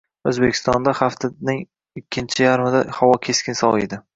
O‘zbekistonda haftaning ikkinchi yarmida havo keskin soviydi